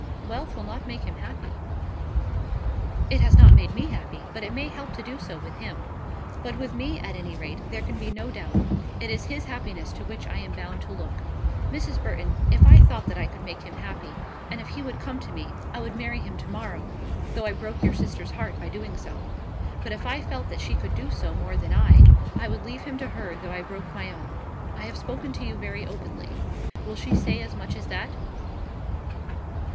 "Wealth will not make him happy." "It has not made me happy; but it may help to do so with him. But with me at any rate there can be no doubt. It is his happiness to which I am bound to look. Mrs. Burton, if I thought that I could make him happy, and if he would come to me, I would marry him to morrow, though I broke your sister's heart by doing so. But if I felt that she could do so more than I, I would leave him to her, though I broke my own. I have spoken to you very openly. Will she say as much as that?"